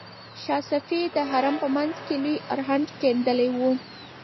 شاه صفي د حرم په منځ کې لوی ارهډ کیندلی و.